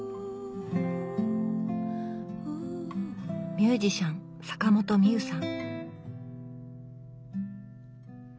ミュージシャン坂本美雨さん